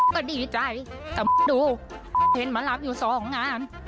ก็ดีใจแต่ดูเห็นมารับอยู่สองงาน